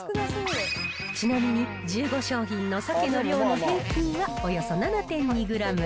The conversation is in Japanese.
ちなみに、１５商品のサケの量の平均はおよそ７．２グラム。